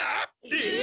えっ？